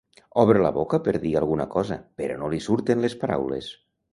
Obre la boca per dir alguna cosa però no li surten les paraules.